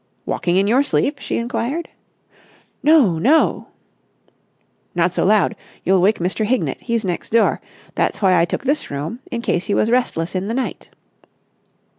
"Walking in your sleep?" she inquired. "No, no!" "Not so loud! You'll wake Mr. Hignett. He's next door. That's why I took this room, in case he was restless in the night."